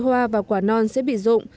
hoa và quả non sẽ bị rụng